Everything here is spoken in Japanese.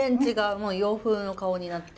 もう洋風の顔になって。